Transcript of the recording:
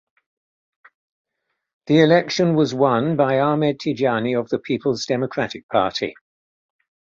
The election was won by Ahmed Tijani of the Peoples Democratic Party.